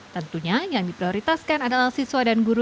tentunya yang diprioritaskan adalah siswa dan guru